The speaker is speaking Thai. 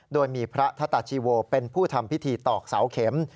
โดยมีพระทตาชีโวเป็นผู้ทำพิธีตอกเสาเข็ม